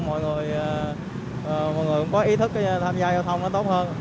mọi người cũng có ý thức tham gia giao thông nó tốt hơn